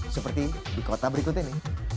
seperti di kota berikut ini